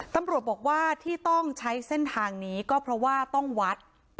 ตำรวจบอกว่าที่ต้องใช้เส้นทางนี้ก็เพราะว่าต้องวัด